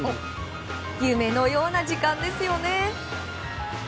夢のような時間ですよね。